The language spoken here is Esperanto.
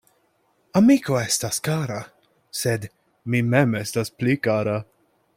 Amiko estas kara, sed mi mem estas pli kara.